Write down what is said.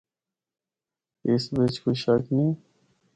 اس بچ کوئی شک نیں۔